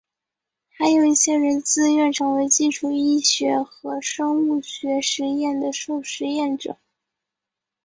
还有一些人自愿成为基础医学和生物学实验的受实验者。